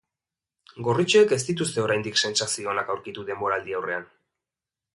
Gorritxoek ez dituzte oraindik sentsazio onak aurkitu denboraldiaurrean.